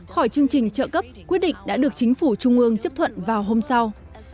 khỏi chương trình trợ cấp quyết định đã được chính phủ trung ương chấp thuận vào hôm sau